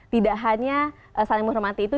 tidak hanya saling menghormati itu